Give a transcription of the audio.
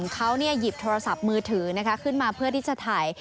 เขาหยิบโทรศัพท์มือถือขึ้นมาเพื่อที่จะถ่าย